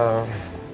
kamu udah pulang